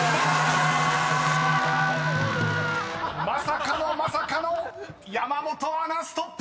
［まさかのまさかの山本アナストップ！］